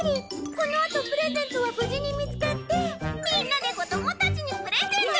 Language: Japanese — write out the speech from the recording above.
このあとプレゼントは無事に見つかってみんなで子どもたちにプレゼント。